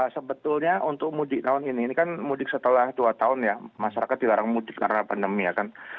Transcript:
sebetulnya untuk mudik tahun ini ini kan mudik setelah dua tahun ya masyarakat dilarang mudik karena pandemi ya kan